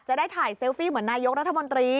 จะได้ถ่ายเซลฟี่เหมือนนายกรัฐมนตรี